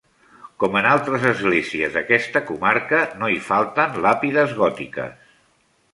Com en altres esglésies d'aquesta comarca no hi falten làpides gòtiques.